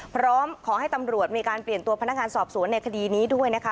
พร้อมขอให้ตำรวจมีการเปลี่ยนตัวพนักงานสอบสวนในคดีนี้ด้วยนะคะ